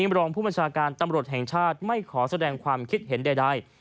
รองผู้บัญชาการตำรวจแห่งชาติไม่ขอแสดงความคิดเห็นใด